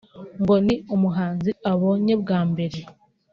ngo ni umuhanzi abonye bwa mbere